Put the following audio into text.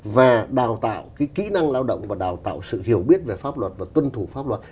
và đào tạo kỹ năng lao động và đào tạo sự hiểu biết về pháp luật và tuân thủ pháp luật